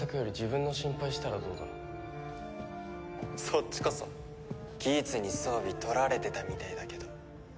そっちこそギーツに装備取られてたみたいだけど。